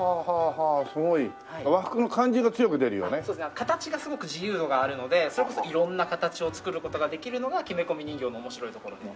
形がすごく自由度があるのでそれこそ色んな形を作る事ができるのが木目込人形の面白いところで。